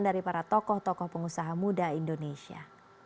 dari para tokoh tokoh pengusaha muda indonesia